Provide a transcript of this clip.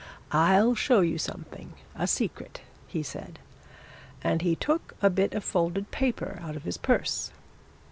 'I'll show you something a secret,' he said, and he took a bit of folded paper out of his purse.